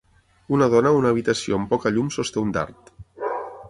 Una dona a una habitació amb poca llum sosté un dard